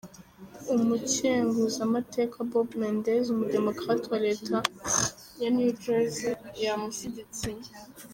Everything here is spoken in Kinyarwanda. Umukenguzamateka Bob Menendez, umu Démocrate wa leta ya New Jersey yamushigikiye.